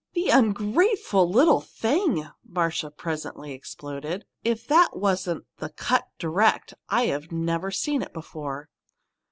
"The ungrateful little thing!" Marcia presently exploded. "If that wasn't the 'cut direct,' I've never seen it before!"